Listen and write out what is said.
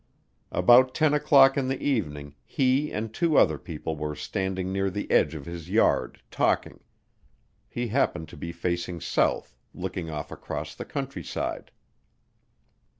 About ten o'clock in the evening he and two other people were standing near the edge of his yard talking; he happened to be facing south, looking off across the countryside.